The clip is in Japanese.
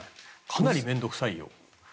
かなり面倒臭いよ。